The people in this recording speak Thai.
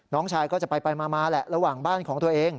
น้องชายก็จะไปมาแหละระหว่างบ้านของตัวเอง